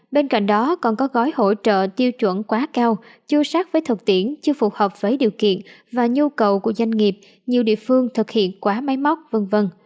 bên cạnh đó còn có gói hỗ trợ tiêu chuẩn quá cao chưa sát với thực tiễn chưa phù hợp với điều kiện và nhu cầu của doanh nghiệp nhiều địa phương thực hiện quá máy móc v v